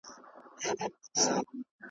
له ګل غونډیه به مي سیوری تر مزاره څارې .